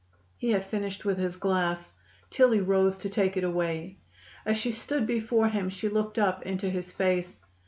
He had finished with his glass. Tillie rose to take it away. As she stood before him she looked up into his face.